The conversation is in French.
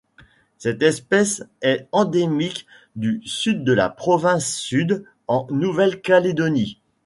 Cette espèce est endémique du Sud de la province Sud en Nouvelle-Calédonie.